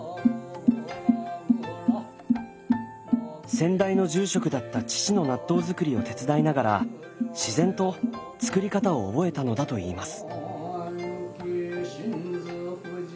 先代の住職だった父の納豆造りを手伝いながら自然と造り方を覚えたのだといいます。